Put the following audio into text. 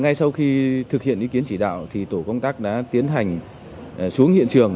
ngay sau khi thực hiện ý kiến chỉ đạo tổ công tác đã tiến hành xuống hiện trường